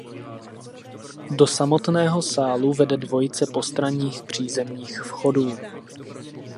Do samotného sálu vede dvojice postranních přízemních vchodů.